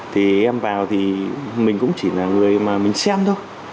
thì em vào thì mình cũng chỉ là người mà mình xem thôi